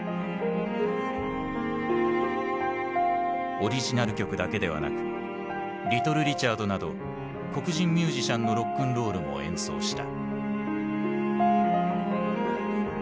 オリジナル曲だけではなくリトル・リチャードなど黒人ミュージシャンのロックンロールも演奏した。